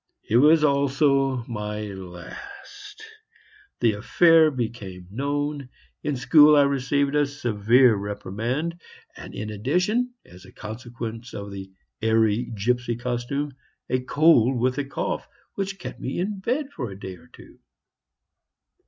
It was also my last. The affair became known. In school I received a severe reprimand, and in addition, as a consequence of the airy gypsy costume, a cold with a cough, which kept me in bed for a day or two.